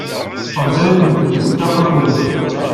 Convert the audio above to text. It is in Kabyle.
Ḍeqqer-iten deg ṭṭaq ukeṛṛus.